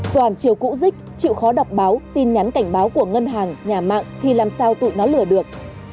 toàn chiều cũ dích chịu khó đọc báo tin nhắn cảnh báo của ngân hàng nhà mạng thì làm sao tụ nó lừa được